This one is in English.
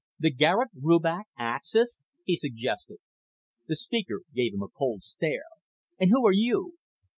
"The Garet Rubach Axis?" he suggested. The speaker gave him a cold stare. "And who are you?"